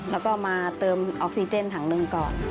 แล้วก็มาเติมออกซิเจนถังหนึ่งก่อน